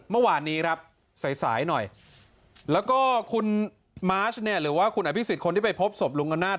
เมื่อวานนี้ครับสายสายหน่อยแล้วก็คุณมาร์ชเนี่ยหรือว่าคุณอภิษฎคนที่ไปพบศพลุงอำนาจ